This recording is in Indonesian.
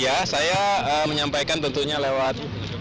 ya saya menyampaikan tentunya lewat